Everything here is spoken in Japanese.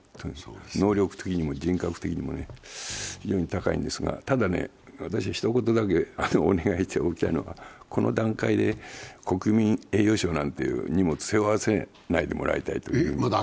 能力的にも人格的にも非常に高いんですが、ただね、私、ひと言だけお願いしておきたいのは、この段階で国民栄誉賞なんていう荷物を背負わせないでもらいたい。